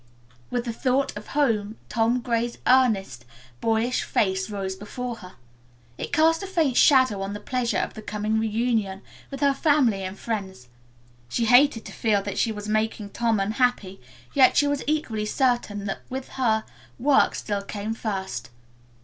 With the thought of home Tom Gray's earnest, boyish face rose before her. It cast a faint shadow on the pleasure of the coming reunion with her family and friends. She hated to feel that she was making Tom unhappy, yet she was equally certain that, with her, work still came first.